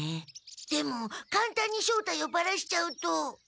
でもかんたんに正体をバラしちゃうと。